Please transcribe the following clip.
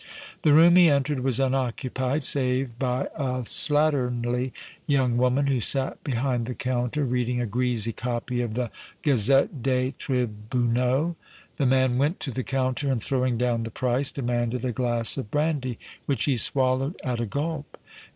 The room he entered was unoccupied save by a slatternly young woman, who sat behind the counter reading a greasy copy of the Gazette des Tribunaux. The man went to the counter and, throwing down the price, demanded a glass of brandy, which he swallowed at a gulp.